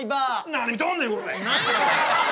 何見とんねんこら。